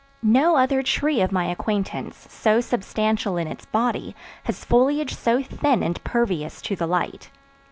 No other tree of my acquaintance so substantial in its body has foliage so thin and pervious to the light.